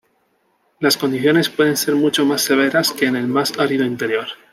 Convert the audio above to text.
Las condiciones pueden ser mucho más severas en el más árido interior.